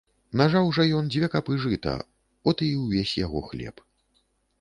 Нажаў жа ён дзве капы жыта, от і ўвесь яго хлеб.